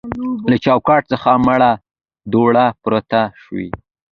له چوکاټ څخه مړه دوړه پورته شوه.